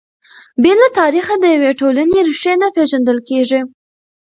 بې له تاریخه د یوې ټولنې ريښې نه پېژندل کیږي.